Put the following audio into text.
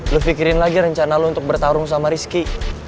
lo fikirin lagi rencana lo untuk bertarung sama rizky